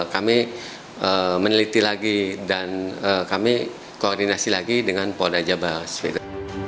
kami meneliti lagi dan kami koordinasi lagi dengan polda jabar sulit